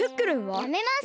やめます！